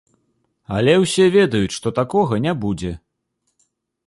Але ўсе ведаюць, што такога не будзе.